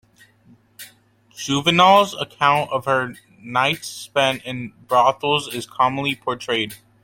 Juvenal's account of her nights spent in the brothel is commonly portrayed.